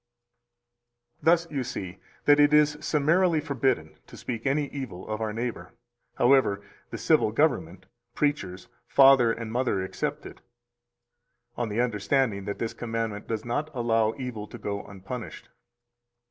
274 Thus you see that it is summarily forbidden to speak any evil of our neighbor, however, the civil government, preachers, father and mother excepted, on the understanding that this commandment does not allow evil to go unpunished.